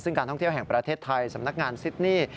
ซึ่งการท่องเที่ยวแห่งประเทศไทยสำนักงานซิดนี่